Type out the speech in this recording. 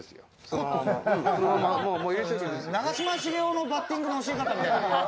長嶋茂雄のバッティングの教え方だよ。